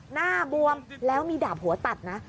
หน้าบวมแล้วมีดาบหัวตัดนะ